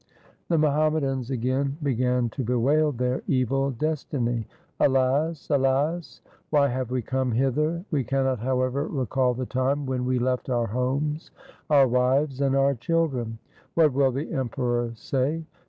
The Muhammadans again began to bewail their evil destiny :' Alas ! alas ! why have we come hither ? We cannot, however, recall the time when LIFE OF GURU HAR GOBIND 207 we left our homes, our wives, and our children. What will the Emperor say